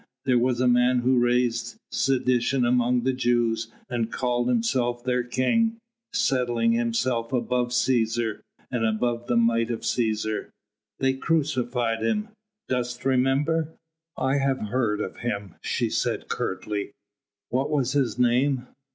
There was a man who raised sedition among the Jews, and called himself their king setting himself above Cæsar and above the might of Cæsar.... They crucified him. Dost remember?" "I have heard of him," she said curtly. "What was his name?"